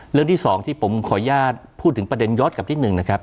เรื่องที่สองที่ผมขออนุญาตพูดถึงประเด็นย้อนกลับนิดหนึ่งนะครับ